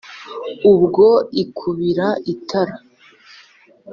ubwo ikubira intara